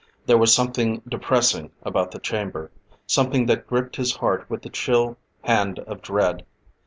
There was something depressing about the chamber, something that gripped his heart with the chill hand of dread.